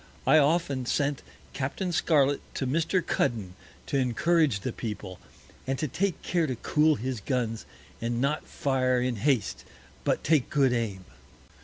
I often sent Capt. Scarlet to Mr. Cudden, to encourage the People, and to take care to cool his Guns, and not fire in Haste, but take good Aim.